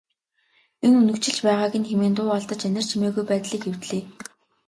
Энэ үнэгчилж байгааг нь хэмээн дуу алдаж анир чимээгүй байдлыг эвдлээ.